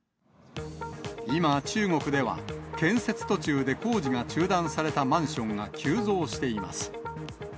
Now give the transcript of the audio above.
今、中国では、建設途中で工事が中断されたマンションが急増しています。